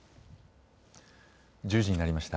１０時になりました。